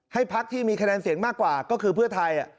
พักที่มีคะแนนเสียงมากกว่าก็คือเพื่อไทย